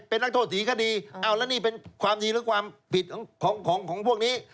เป็นนักโทษศรีคดีอ้าวแล้วนี่เป็นความดีหรือความผิดของของพวกนี้